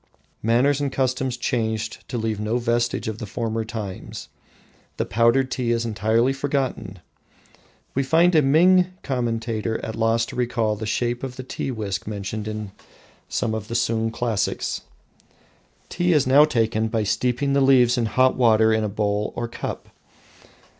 Manners and customs changed to leave no vestige of the former times. The powdered tea is entirely forgotten. We find a Ming commentator at loss to recall the shape of the tea whisk mentioned in one of the Sung classics. Tea is now taken by steeping the leaves in hot water in a bowl or cup.